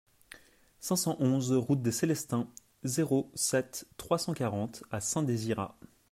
cinq cent onze route des Célestins, zéro sept, trois cent quarante à Saint-Désirat